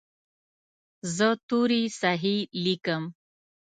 زه توري صحیح لیکم.